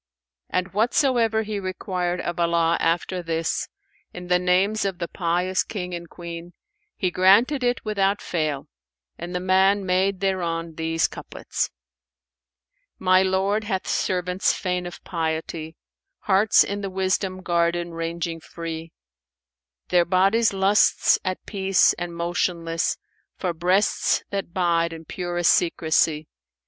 And whatsoever he required of Allah after this, in the names of the pious King and Queen, He granted it without fail and the man made thereon these couplets, "My Lord hath servants fain of piety; * Hearts in the Wisdom garden ranging free: Their bodies' lusts at peace, and motionless * For breasts that bide in purest secresy.